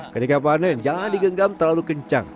ketika panen jangan digenggam terlalu kencang